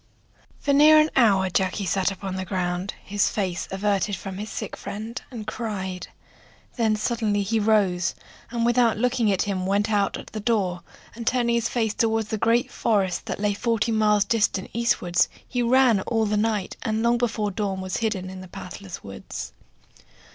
FOR near an hour Jacky sat upon the ground, his face averted from his sick friend, and cried; then suddenly he rose, and without looking at him went out at the door, and turning his face toward the great forests that lay forty miles distant eastward, he ran all the night, and long before dawn was hid in the pathless woods.